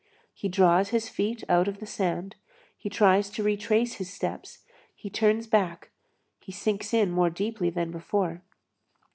He draws his feet out of the sand, he tries to retrace his steps, he turns back, he sinks in more deeply than before.